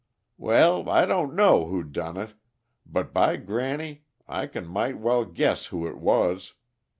"Well, I don't know who done it but, by granny! I can might' nigh guess who it was.